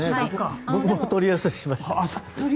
僕もお取り寄せしました。